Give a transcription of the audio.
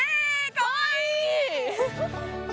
かわいい！